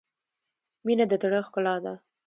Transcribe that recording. • مینه د زړۀ ښکلا ده.